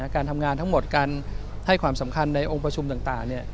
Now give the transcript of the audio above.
การทำงานทั้งหมดการให้ความสำคัญในองค์ประชุมต่าง